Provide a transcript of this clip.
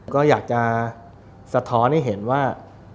ก็อยากจะสะท้อนให้เห็นว่า